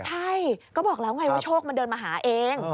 ใช่ก็บอกแล้วไงว่าโชคมันเดินมาหาเอง